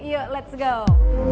yuk let's go